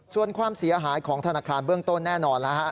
ส่วนความเสียหายของธนาคารเบื้องต้นแน่นอนแล้วฮะ